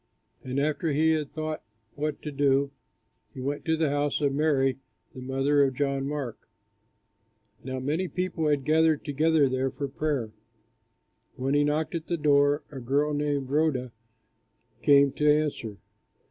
And after he had thought what to do, he went to the house of Mary, the mother of John Mark. Now many people had gathered together there for prayer. When he knocked at the door a girl named Rhoda came to answer.